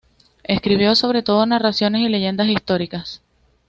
Escribió sobre todo narraciones y leyendas históricas.